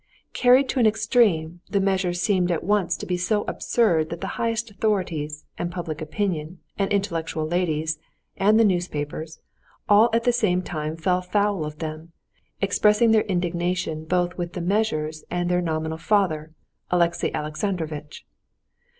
Carried to an extreme, the measures seemed at once to be so absurd that the highest authorities, and public opinion, and intellectual ladies, and the newspapers, all at the same time fell foul of them, expressing their indignation both with the measures and their nominal father, Alexey Alexandrovitch.